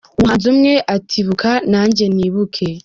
Umuhanzi umwe ati “Ibuka nanjye nibuke”